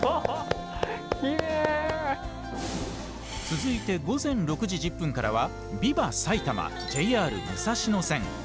続いて午前６時１０分からは「ビバ！埼玉ＪＲ武蔵野線」。